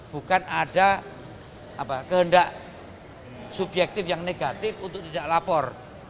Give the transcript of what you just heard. bukan ada kehendak subjektif yang negatif untuk tidak lapor